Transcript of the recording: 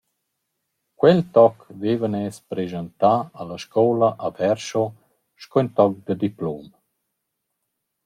Quel toc vaivan els preschantà a la scoula a Verscio sco toc da diplom.